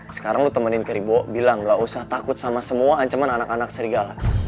sekarang lo temenin keribo bilang gak usah takut sama semua ancaman anak anak serigala